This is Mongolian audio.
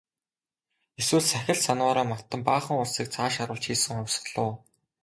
Эсвэл сахил санваараа мартан баахан улсыг цааш харуулж хийсэн хувьсгал уу?